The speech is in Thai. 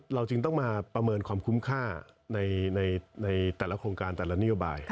เราจึงต้องมาประเมินความคุ้มค่าในแต่ละโครงการแต่ละนโยบาย